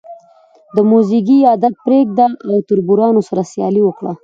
د موزیګي عادت پرېږده او تربورانو سره سیالي وکړه.